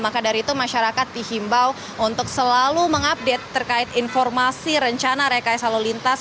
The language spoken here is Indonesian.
maka dari itu masyarakat dihimbau untuk selalu mengupdate terkait informasi rencana rekayasa lalu lintas